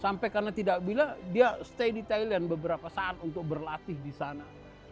sampai karena tidak bilang dia stay di thailand beberapa saat untuk berlatih di sana